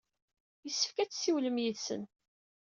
Yessefk ad tessiwlem yid-sen.